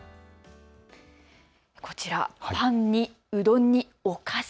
こちらパンに、うどんに、お菓子。